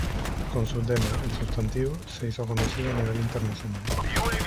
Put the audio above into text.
Con su tema "El sustantivo" se hizo conocida a nivel internacional.